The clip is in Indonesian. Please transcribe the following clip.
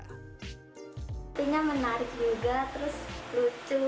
artinya menarik juga terus lucu